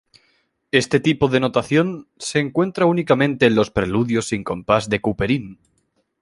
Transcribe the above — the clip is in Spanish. Este tipo de notación se encuentra únicamente en los preludios sin compás de Couperin.